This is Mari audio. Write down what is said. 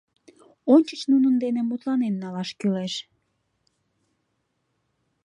Ончыч нунын дене мутланен налаш кӱлеш.